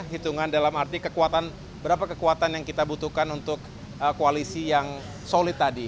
hitungan dalam arti kekuatan berapa kekuatan yang kita butuhkan untuk koalisi yang solid tadi